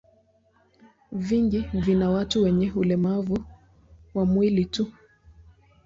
Vingi vina watu wenye ulemavu wa mwili tu.